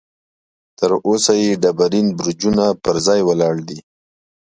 تر اوسه یې ډبرین برجونه پر ځای ولاړ دي.